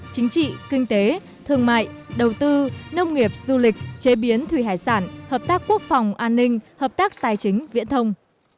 chính trị kinh tế thương mại đầu tư nông nghiệp du lịch chế biến thủy hải sản hợp tác quốc phòng an ninh hợp tác tài chính viễn thông